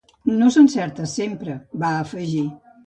“No s’encerta sempre”, va afegir.